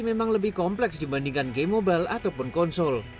game pc memang lebih kompleks dibandingkan game mobile ataupun konsol